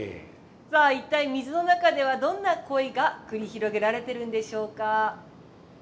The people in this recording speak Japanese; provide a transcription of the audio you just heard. さあ一体水の中ではどんな恋が繰り広げられてるんでしょうか？